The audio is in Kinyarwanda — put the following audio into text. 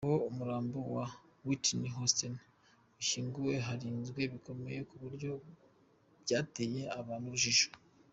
Aho umurambo wa Whitney Houston ushyinguwe harinzwe bikomeye ku buryo byateye abantu urujijo.